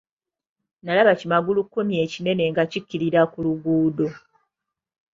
Nalaba ki magulu kkumi ekinene nga kikkirira ku luguudo.